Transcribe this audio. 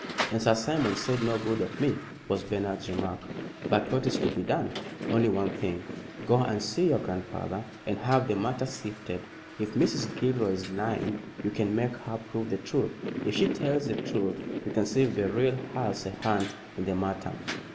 "And Sir Simon said no good of me," was Bernard's remark. "But what is to be done?" "Only one thing. Go and see your grandfather and have the matter sifted. If Mrs. Gilroy is lying you can make her prove the truth. If she tells the truth, you can see if Beryl has a hand in the matter."